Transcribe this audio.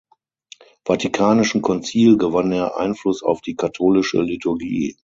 Vatikanischen Konzil gewann er Einfluss auf die katholische Liturgie.